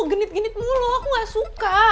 genit genit mulu aku gak suka